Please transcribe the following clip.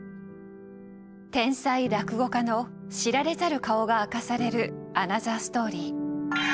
天才落語家の知られざる顔が明かされるアナザーストーリー。